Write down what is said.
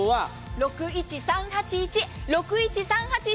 ６１３８１６１３８１